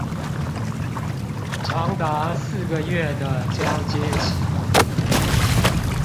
長達四個月的交接期